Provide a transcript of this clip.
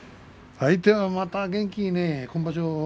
相手がまた元気いいね今場所。